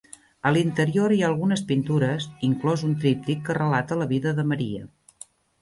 A l'interior hi ha algunes pintures, inclòs un tríptic que relata la vida de Maria.